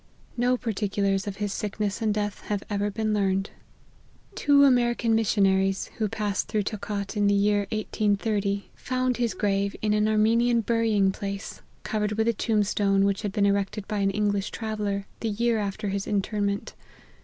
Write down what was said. No par ticulars of his sickness and death have ever been learned. LIFE OF HENRY MARTYN. 191 Two American missionaries, who passed through Tocat in the year 1830, found his grave in an Armenian bury ing place, covered with a tomb stone, which had been erected by an English traveller, the year after his interment.